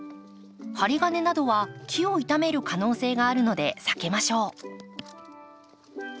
針金などは木を傷める可能性があるので避けましょう。